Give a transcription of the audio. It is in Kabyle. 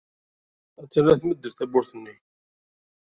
Attan la tmeddel tewwurt-nni.